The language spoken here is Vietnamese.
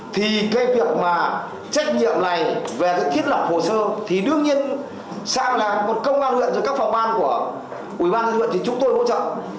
thì cái việc mà trách nhiệm này về cái thiết lập hồ sơ thì đương nhiên sang là một công an huyện rồi các phòng ban của ubnd huyện thì chúng tôi bảo trọng